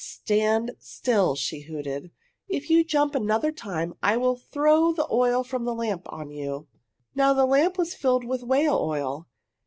"Stand still!" she hooted. "If you jump another time I will throw the oil from the lamp on you!"' Now the lamp was filled with whale oil.